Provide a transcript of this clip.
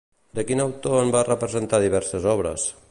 De quin autor en va representar diverses obres?